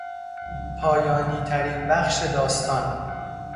پایانیترین بخش داستان